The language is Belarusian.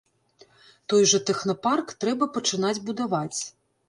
Той жа тэхнапарк трэба пачынаць будаваць.